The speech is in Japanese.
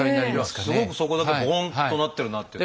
すごくそこだけボンとなってるなって。